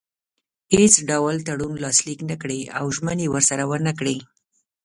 هیڅ ډول تړون لاسلیک نه کړي او ژمنې ورسره ونه کړي.